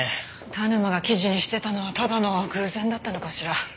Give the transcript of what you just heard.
田沼が記事にしてたのはただの偶然だったのかしら？